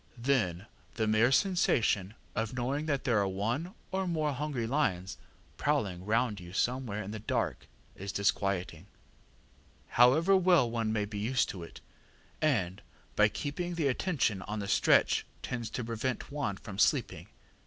Then the mere sensation of knowing that there are one or more hungry lions prowling round you somewhere in the dark is disquieting, however well one may be used to it, and, by keeping the attention on the stretch, tends to prevent one from sleeping.